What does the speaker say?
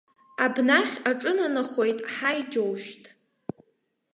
Абнахь аҿынанахоит, ҳаи, џьоушьҭ.